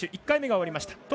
１回目が終わりました。